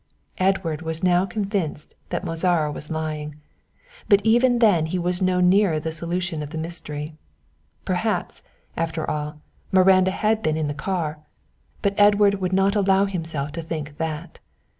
Edward was now convinced that Mozara was lying, but even then he was no nearer the solution of the mystery. Perhaps, after all, Miranda had been in the car, but Edward would not allow himself to think that.